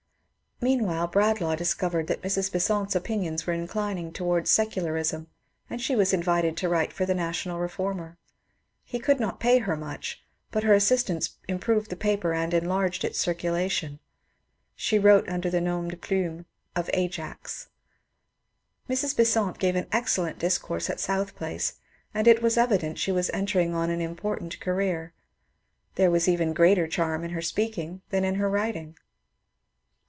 Meanwhile Bradlaugh discovered that Mrs. Besant's opin ions were inclining towards secularism, and she was invited to write for ^^ The National Beformer." He could not pay her much, but her assistance improved the paper and enlarged its circulation. She wrote under the nam de plume of ^^ Ajax." Mrs. Besant gave an excellent discourse at South Place, and it was evident that she was entering on an impor tant career. There was even greater charm in her speaking than in her writing.